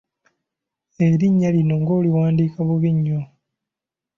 Erinnya lino ng'oliwandiika bubi nnyo?